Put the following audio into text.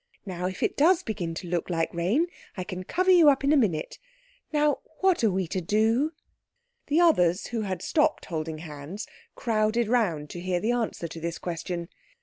"Now if it does begin to look like rain, I can cover you up in a minute. Now what are we to do?" The others who had stopped holding hands crowded round to hear the answer to this question.